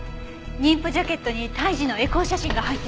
妊婦ジャケットに胎児のエコー写真が入ってたわよね？